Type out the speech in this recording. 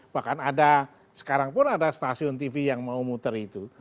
bahkan ada sekarang pun ada stasiun tv yang mau muter itu